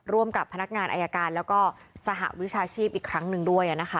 ร่วมกับพนักงานอายการแล้วก็สหวิชาชีพอีกครั้งหนึ่งด้วย